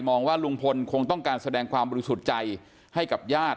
ว่าลุงพลคงต้องการแสดงความบริสุทธิ์ใจให้กับญาติ